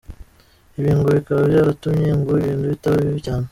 Ibi ngo bikaba byaratumye ngo ibintu bitaba bibi cyane.